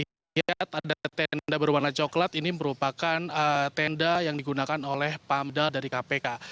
dilihat ada tenda berwarna coklat ini merupakan tenda yang digunakan oleh pamdal dari kpk